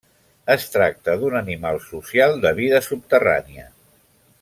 Es tracta d'un animal social de vida subterrània.